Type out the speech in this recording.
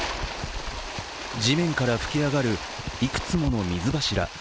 地面から吹き上がる、いくつもの水柱。